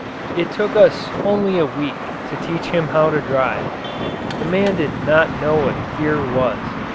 It took us only a week to teach him how to drive. The man did not know what fear was.